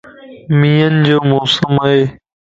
مينھن جو موسم ائي